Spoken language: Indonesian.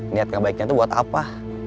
niat gak baiknya itu buat apa